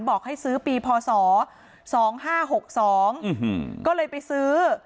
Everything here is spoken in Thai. บอกให้ซื้อปีพศ๒๕๖๒ก็เลยไปซื้อ